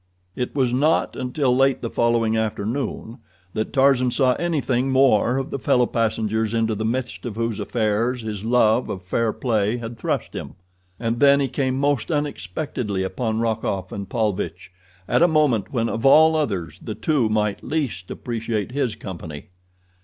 It was not until late the following afternoon that Tarzan saw anything more of the fellow passengers into the midst of whose affairs his love of fair play had thrust him. And then he came most unexpectedly upon Rokoff and Paulvitch at a moment when of all others the two might least appreciate his company.